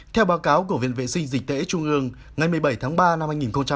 theo báo cáo của viện vệ sinh dịch tễ trung ương ngày một mươi bảy tháng ba năm hai nghìn hai mươi